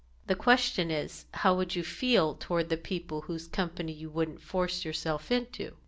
The question is, how would you feel toward the people whose company you wouldn't force yourself into?"